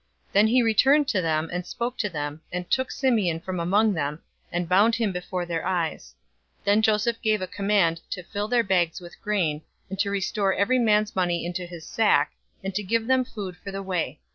Then he returned to them, and spoke to them, and took Simeon from among them, and bound him before their eyes. 042:025 Then Joseph gave a command to fill their bags with grain, and to restore every man's money into his sack, and to give them food for the way.